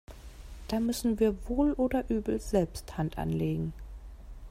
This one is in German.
Da müssen wir wohl oder übel selbst Hand anlegen.